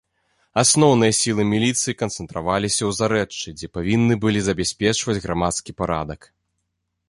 Асноўныя сілы міліцыі канцэнтраваліся ў зарэччы, дзе павінны былі забяспечваць грамадскі парадак.